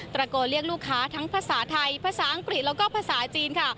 ระโกนเรียกลูกค้าทั้งภาษาไทยภาษาอังกฤษแล้วก็ภาษาจีนค่ะ